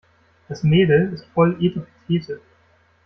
Das Mädel ist voll etepetete.